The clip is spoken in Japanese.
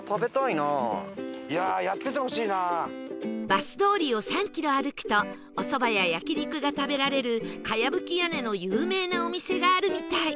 バス通りを３キロ歩くとおそばや焼肉が食べられる茅葺き屋根の有名なお店があるみたい